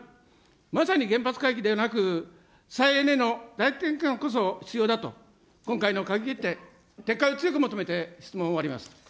まさに原発回帰ではなく、再エネの大転換こそ必要だと、今回の閣議決定、撤回を強く求めて、質問を終わります。